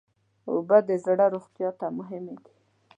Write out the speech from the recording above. اوبه د زړه روغتیا ته مهمې دي.